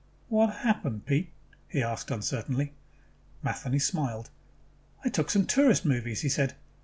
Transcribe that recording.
"What happened, Pete?" he asked uncertainly. Matheny smiled. "I took some tourist movies," he said.